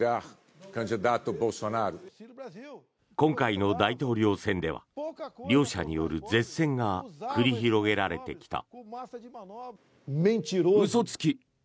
今回の大統領選では両者による舌戦が繰り広げられてきた。